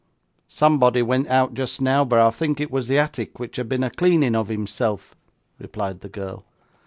'Somebody went out just now, but I think it was the attic which had been a cleaning of himself,' replied the girl.